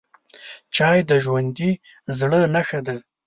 چای د ژوندي زړه نښه ده